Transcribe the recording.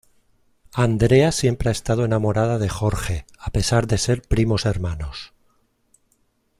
Andrea siempre ha estado enamorada de Jorge, a pesar de ser primos hermanos.